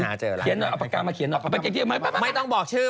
ฉันหาเจอแล้วเอาปากกามาเขียนหน่อยไม่ต้องบอกชื่อไม่ต้องบอกชื่อ